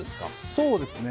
そうですね。